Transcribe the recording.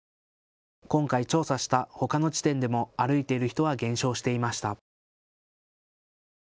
今回調査した、ほかの地点でも歩いている人は減少していました。